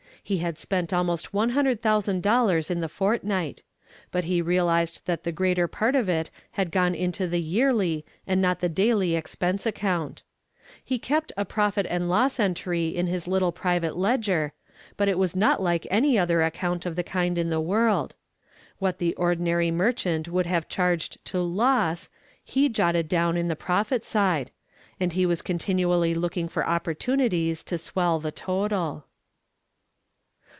He had spent almost $100,000 in the fortnight, but he realized that the greater part of it had gone into the yearly and not the daily expense account. He kept a "profit and loss" entry in his little private ledger, but it was not like any other account of the kind in the world. What the ordinary merchant would have charged to "loss" he jotted down on the "profit" side, and he was continually looking for opportunities to swell the total.